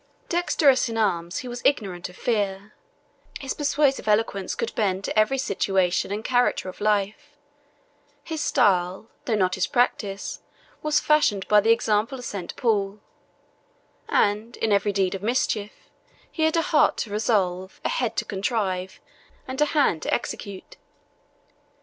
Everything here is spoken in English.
Dexterous in arms, he was ignorant of fear; his persuasive eloquence could bend to every situation and character of life, his style, though not his practice, was fashioned by the example of St. Paul; and, in every deed of mischief, he had a heart to resolve, a head to contrive, and a hand to execute.